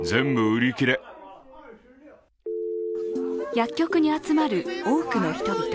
薬局に集まる多くの人々。